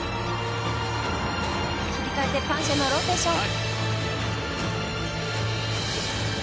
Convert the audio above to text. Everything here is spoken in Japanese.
切り替えてパンシェのローテーション。